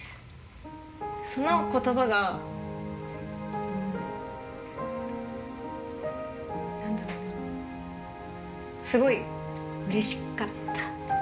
そのことばが、なんだろうな、すごいうれしかった。